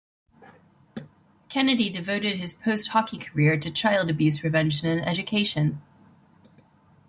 Kennedy devoted his post hockey career to child abuse prevention and education.